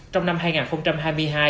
trong năm hai nghìn hai mươi hai